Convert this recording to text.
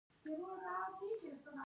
د ننګرهار په هسکه مینه کې د ګچ نښې شته.